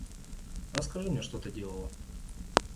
Расскажи мне, что ты делала?